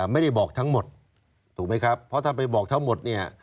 ไม่ได้บอกทั้งหมดถูกไหมครับเพราะถ้าไปบอกทั้งหมดเนี่ย